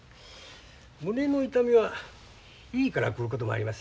胸の痛みは胃から来ることもあります